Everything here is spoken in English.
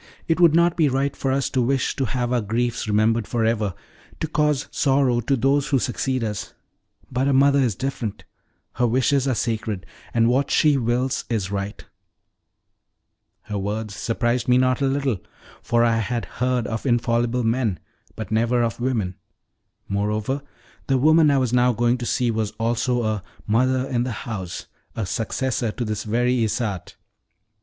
It would not be right for us to wish to have our griefs remembered for ever, to cause sorrow to those who succeed us; but a mother is different: her wishes are sacred, and what she wills is right." Her words surprised me not a little, for I had heard of infallible men, but never of women; moreover, the woman I was now going to see was also a "mother in the house," a successor to this very Isarte.